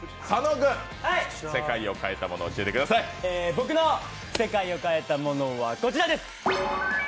僕の世界を変えたものはこちらです。